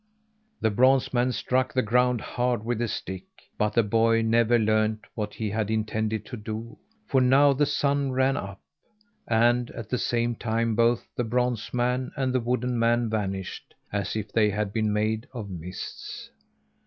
The bronze man struck the ground hard with his stick; but the boy never learned what he had intended to do for now the sun ran up, and, at the same time, both the bronze man and the wooden man vanished as if they had been made of mists.